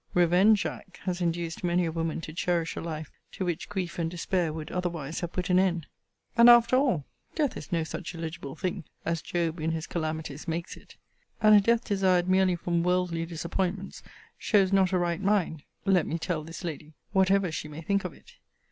Revenge, Jack, has induced many a woman to cherish a life, to which grief and despair would otherwise have put an end. And, after all, death is no such eligible thing, as Job in his calamities, makes it. And a death desired merely from worldly disappointments shows not a right mind, let me tell this lady, whatever she may think of it.